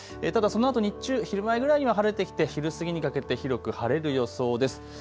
ただそのあと、日中昼前ぐらいは晴れてきて昼過ぎにかけて広く晴れる予想です。